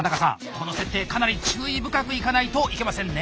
この設定かなり注意深くいかないといけませんね。